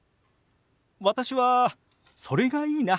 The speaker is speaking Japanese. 私はそれがいいな。